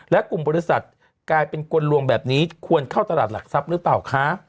และกลุ่มบริษัทกลายเป็นกลลวงแบบนี้ควรเข้าตลาดหลักทรัพย์หรือเปล่าคะ